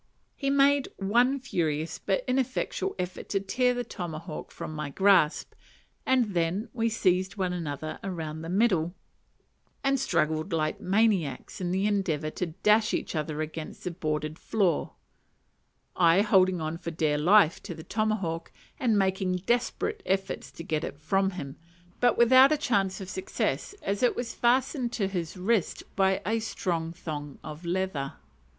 He made one furious, but ineffectual, effort to tear the tomahawk from my grasp; and then we seized one another round the middle, and struggled like maniacs in the endeavour to dash each other against the boarded floor; I holding on for dear life to the tomahawk, and making desperate efforts to get it from him, but without a chance of success, as it was fastened to his wrist by a strong thong of leather.